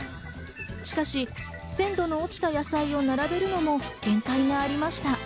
しかし鮮度の落ちた野菜を並べるのも限界がありました。